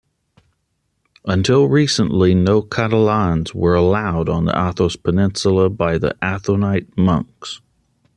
Until recently no Catalans were allowed on the Athos peninsula by the Athonite monks.